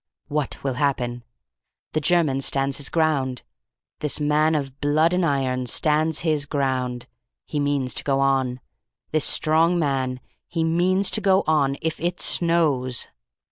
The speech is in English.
"What will happen? The German stands his ground. This man of blood and iron stands his ground. He means to go on. This strong man. He means to go on if it snows.